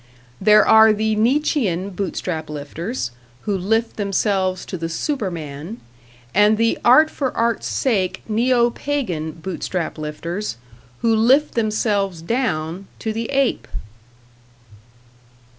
There are the Nietzschean Bootstrap lifters, who lift themselves to the Superman, and the art for art's sake, neo Pagan Bootstrap lifters, who lift themselves down to the Ape.